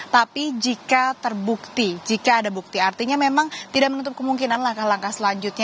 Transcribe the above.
tapi jika terbukti jika ada bukti artinya memang tidak menutup kemungkinan langkah langkah selanjutnya